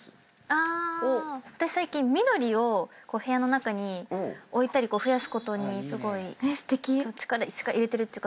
あ私最近緑を部屋の中に置いたり増やすことにすごい力入れてるっていうか